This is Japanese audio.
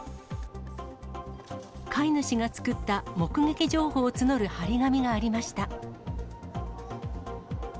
飼い主が作った目撃情報を募る貼り紙がありました。